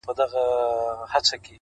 عاجزي د پوهې ښکلی ملګری ده,